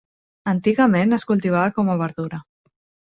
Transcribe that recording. Antigament es cultivava com a verdura.